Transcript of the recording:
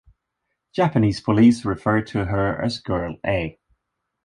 Japanese police referred to her as Girl A.